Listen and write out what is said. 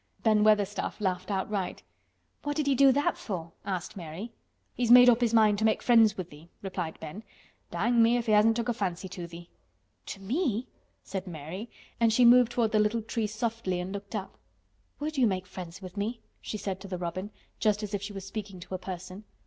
Ben Weatherstaff laughed outright. "What did he do that for?" asked Mary. "He's made up his mind to make friends with thee," replied Ben. "Dang me if he hasn't took a fancy to thee." "To me?" said Mary, and she moved toward the little tree softly and looked up. "Would you make friends with me?" she said to the robin just as if she was speaking to a person.